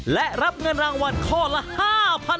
และรับเงินรางวัลข้อละ